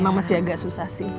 memang masih agak susah sih